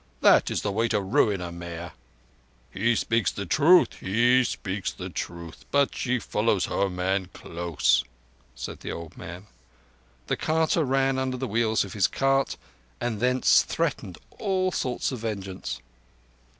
That is the way to ruin a mare." "He speaks truth. He speaks truth. But she follows her man close," said the old man. The carter ran under the wheels of his cart and thence threatened all sorts of vengeance.